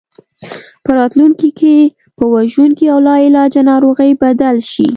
په راتلونکي کې په وژونکي او لاعلاجه ناروغۍ بدل شي.